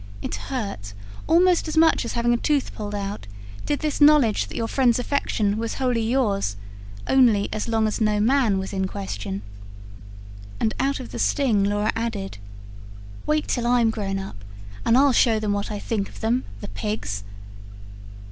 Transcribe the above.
It hurt, almost as much as having a tooth pulled out, did this knowledge that your friend's affection was wholly yours only as long as no man was in question. And out of the sting, Laura added: "Wait till I'm grown up, and I'll show them what I think of them the pigs!"